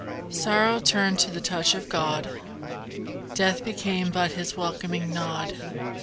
Sorrow turned to the touch of God, Death became but His welcoming nod.